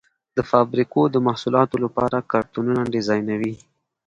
د فابریکو د محصولاتو لپاره کارتنونه ډیزاینوي.